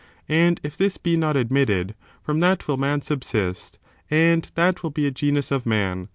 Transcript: And if this be not admitted, from that will man subsist, and that will be a genus of man.